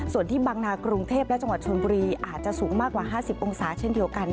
ส่วนที่บังนากรุงเทพและจังหวัดชนบุรีอาจจะสูงมากกว่า๕๐องศาเช่นเดียวกัน